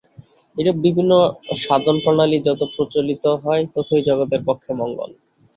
এইরূপ বিভিন্ন সাধনপ্রণালী যত প্রচলিত হয়, ততই জগতের পক্ষে মঙ্গল।